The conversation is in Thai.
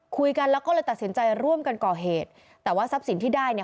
คุยกันแล้วก็เลยตัดสินใจร่วมกันก่อเหตุแต่ว่าทรัพย์สินที่ได้เนี่ย